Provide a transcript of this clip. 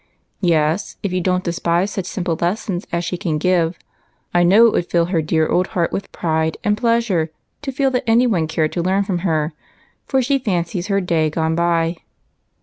" Yes, if you don't despise such simple lessons as she can give. I know it would fill her dear old heart with pride and pleasure to feel that any one cared to learn of her, for she fancies her day gone by.